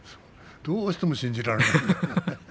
どうしてもそれが信じられない。